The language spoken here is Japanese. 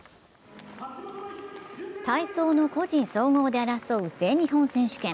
体操の個人総合で争う全日本選手権。